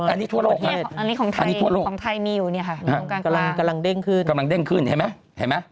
อันนี้คือ